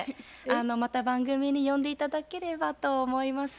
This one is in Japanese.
また番組に呼んで頂ければと思います。